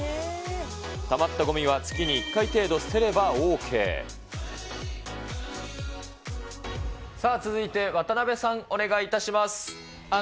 たまったごみは月に１回程度捨てさあ、続いて、渡辺さん、お願いいたします。